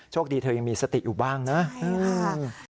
โชคดีเธอยังมีสติอยู่บ้างนะอืมนะครับใช่ค่ะ